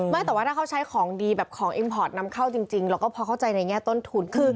แต่ว่าถ้าเขาใช้ของดีแบบของเอ็มพอร์ตนำเข้าจริงเราก็พอเข้าใจในแง่ต้นทุน